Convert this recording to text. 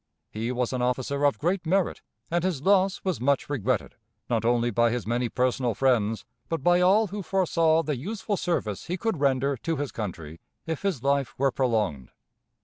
He was an officer of great merit, and his loss was much regretted, not only by his many personal friends, but by all who foresaw the useful service he could render to his country if his life were prolonged.